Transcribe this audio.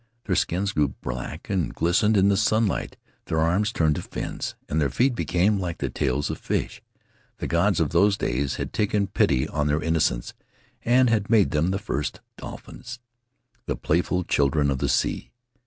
Their skins grew black and glistened in the sunlight; their arms turned to fins and their feet became like the tails of fish; the gods of those days had taken pity on their innocence and made of them the first dolphins — the playful children of the sea.